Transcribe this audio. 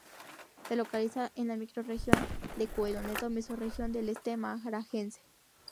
Se localiza en la microrregión de Coelho Neto, mesorregión del Este Maranhense.